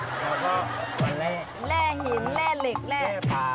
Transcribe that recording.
แล้วก็มาแลแลหินแลเหล็กแลปลา